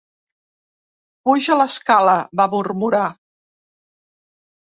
"Puja l'escala", va murmurar.